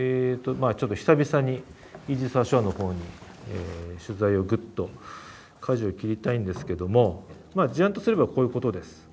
まあちょっと久々にイージス・アショアの方に取材をぐっとかじをきりたいんですけどもまあ事案とすればこういうことです。